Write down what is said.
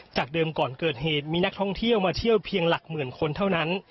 จากเดิมก่อนเกิดเหตุมีนักท่องเที่ยวมาเที่ยวเพียงหลักหมื่นคนเท่านั้น